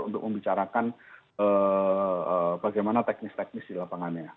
untuk membicarakan bagaimana teknis teknis di lapangannya